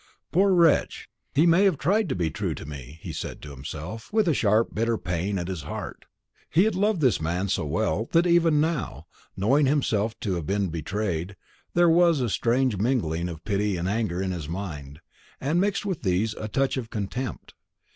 "Poor wretch! he may have tried to be true to me," he said to himself, with a sharp bitter pain at his heart. He had loved this man so well, that even now, knowing himself to have been betrayed, there was a strange mingling of pity and anger in his mind, and mixed with these a touch of contempt.